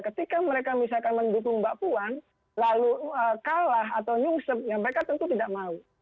ketika mereka misalkan mendukung mbak puan lalu kalah atau nyungsep ya mereka tentu tidak mau